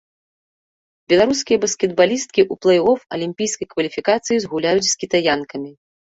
Беларускія баскетбалісткі ў плэй-оф алімпійскай кваліфікацыі згуляюць з кітаянкамі.